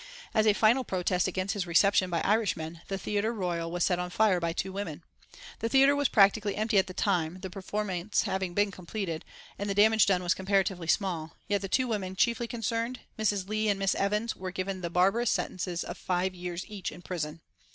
As a final protest against his reception by Irishmen, the Theatre Royal was set on fire by two women. The theatre was practically empty at the time, the performance having been completed, and the damage done was comparatively small, yet the two women chiefly concerned, Mrs. Leigh and Miss Evans, were given the barbarous sentences of five years each in prison.